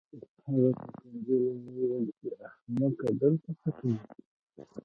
هغه په کنځلو وویل چې احمقه دلته څه کوې